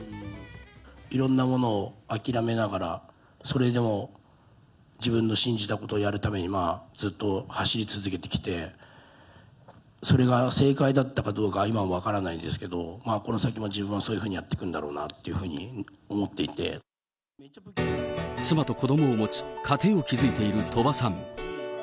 いろんなものを諦めながら、それでも自分の信じたことをやるために、ずっと走り続けてきて、それが正解だったかどうか、今も分からないんですけど、この先も自分はそういうふうにやっていくんだろうなというふうに妻と子どもを持ち、家庭を築いている鳥羽さん。